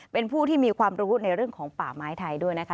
เป็นผู้ที่มีความรู้ในเรื่องของป่าไม้ไทยด้วยนะคะ